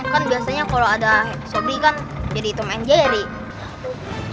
kan biasanya kalau ada sobri kan jadi tom and jerry